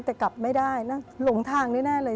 แต่กลับไม่ได้แล้วหลงทางแน่เลย